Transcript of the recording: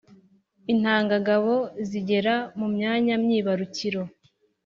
intangangabo zigera mu myanya myibarukiro